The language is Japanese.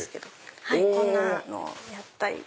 こんなのをやったり。